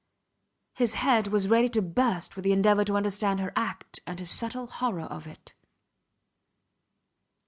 His head was ready to burst with the endeavour to understand her act and his subtle horror of it.